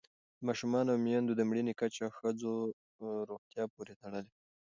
د ماشومانو او میندو د مړینې کچه د ښځو روغتیا پورې تړلې ده.